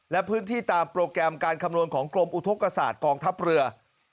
และพื้นที่ตามโปรแกรมการคำนวณของกรมอุทธกษาตกองทัพเรือ